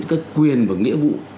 cái quyền và nghĩa vụ